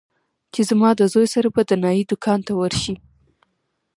چې زما د زوى سره به د نايي دوکان ته ورشې.